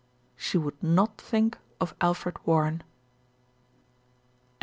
She would not think of Alfred Warren.